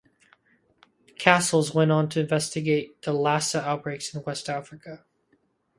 Casals went on to investigate the Lassa outbreaks in West Africa.